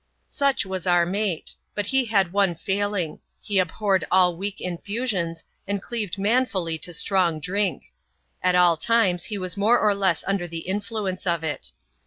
Such was our mate ; but he had one failing : he abhorred all weak infusions, and cleaved manfully to strong drink. At all times he was more or less under the influence of it.